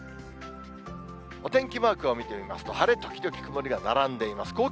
お天気マークを見てみますと、晴れ時々曇りが並んでいます。